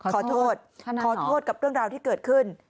ขอโทษขอโทษกับเรื่องราวที่เกิดขึ้น